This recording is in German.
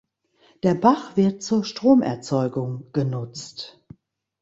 Der Bach wird zur Stromerzeugung genutzt.